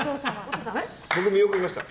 僕、見送りました。